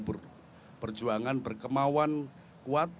dan itu menjadi garis politik partai yang itu mengikuti ketetapan ketetapan kongres partai